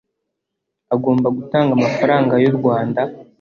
Agomba gutanga amafaranga y u rwanda